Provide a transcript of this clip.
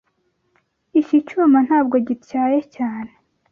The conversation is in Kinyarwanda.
Iki cyuma ntabwo gityaye cyane.